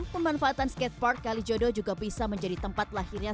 pemanfaatan skatepark kalijodo juga bisa menjadi tempat lahirnya